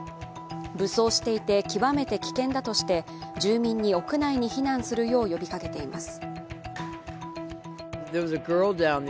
武装していて極めて危険だとして住民に屋内に避難するよう呼びかけています。